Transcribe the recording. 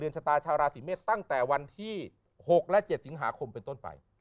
ชะตาชาวราศีเมษตั้งแต่วันที่๖และ๗สิงหาคมเป็นต้นไป